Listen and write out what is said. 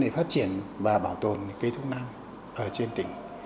về phát triển và bảo tồn cây thuốc nam trên tỉnh